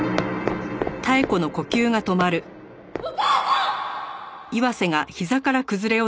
お母さん！